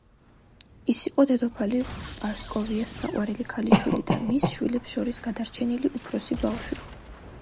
ის იყო დედოფალი პრასკოვიას საყვარელი ქალიშვილი და მის შვილებს შორის გადარჩენილი უფროსი ბავშვი.